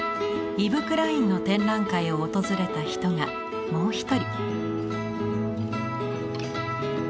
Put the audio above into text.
イヴ・クラインの展覧会を訪れた人がもう一人。